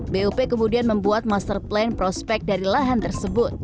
bop kemudian membuat master plan prospek dari lahan tersebut